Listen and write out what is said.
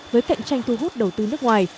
với cạnh tranh thu hút đầu tư nước ngoài